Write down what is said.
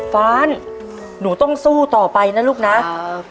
ฟ้านหนูต้องสู้ต่อไปนะลูกนะครับ